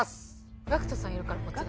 ＧＡＣＫＴさんいるからこっちには。